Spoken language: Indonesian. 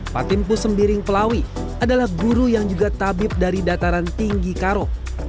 patimpu sembiring pelawi adalah guru yang juga tabib dari dataran tinggi karo